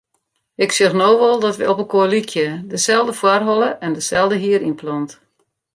Ik sjoch no wol dat wy opelkoar lykje; deselde foarholle en deselde hierynplant.